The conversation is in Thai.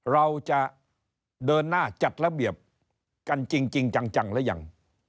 เราจะเดินหน้าจัดระเบียบกันจริงจังหรือยัง